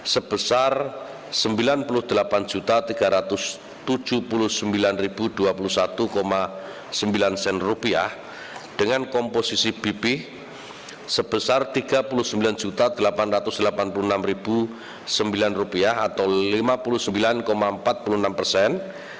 sebesar rp sembilan puluh delapan tiga ratus tujuh puluh sembilan dua puluh satu sembilan dengan komposisi bp sebesar rp tiga puluh sembilan delapan ratus delapan puluh enam sembilan atau rp lima puluh sembilan empat puluh enam persen